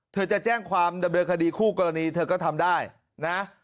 เธอจะแจ้งความดำเนินคดีคู่กรณีเธอก็ทำได้นะ